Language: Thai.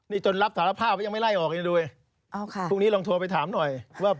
นี่จนรับสารภาพยังไม่ไล่ออกยังด้วย